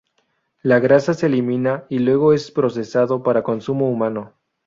La grasa se elimina y luego es procesado para consumo humano.